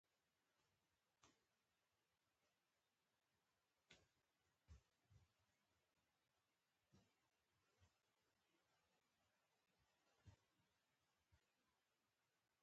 د لېوه بچی آخر د پلار په خوی سي